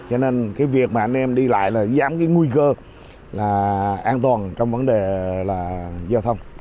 cho nên cái việc mà anh em đi lại là giảm cái nguy cơ là an toàn trong vấn đề là giao thông